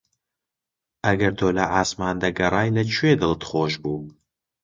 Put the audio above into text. ئەگەر تۆ لە عاسمان دەگەڕای لە کوێ دڵت خۆش بوو؟